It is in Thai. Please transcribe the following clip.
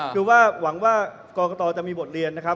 คือว่าหวังว่ากรกตจะมีบทเรียนนะครับ